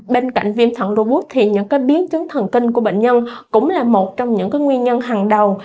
bên cạnh viêm thận lưu bút thì những biến chứng thần kinh của bệnh nhân cũng là một trong những nguyên nhân hàng đầu